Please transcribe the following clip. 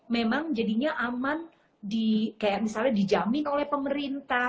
memang jadinya aman di kayak misalnya dijamin oleh pemerintah